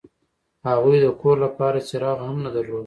هغوی د کور لپاره څراغ هم نه درلود